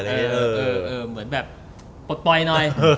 เหมือนแบบปลดปล่อยหน่อย